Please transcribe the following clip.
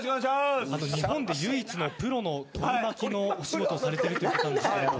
日本で唯一のプロの取り巻きのお仕事をされているということですけど。